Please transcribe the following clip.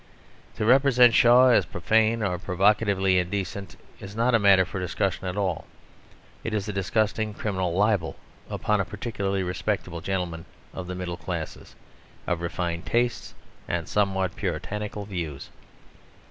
To represent Shaw as profane or provocatively indecent is not a matter for discussion at all; it is a disgusting criminal libel upon a particularly respectable gentleman of the middle classes, of refined tastes and somewhat Puritanical views.